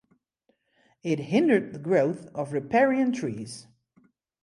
It hindered the growth of riparian trees.